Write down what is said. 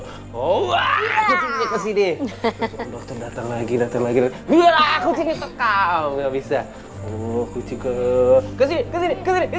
ke sini datang lagi dati lagi bisa ke sini ke sini ke sini ke dalam ke dalam ke dalam